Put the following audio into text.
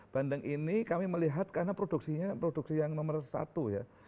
bandeng ini kami melihat karena produksinya yang nomor satu